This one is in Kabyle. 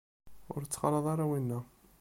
Ur ttxalaḍ ara winna.